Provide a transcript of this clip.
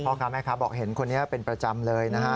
ค้าแม่ค้าบอกเห็นคนนี้เป็นประจำเลยนะฮะ